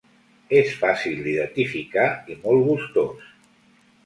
És fàcil d'identificar i molt gustós.